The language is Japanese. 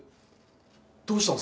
どうしたの？